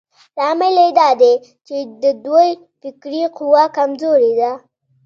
لامل يې دا دی چې د دوی فکري قوه کمزورې ده.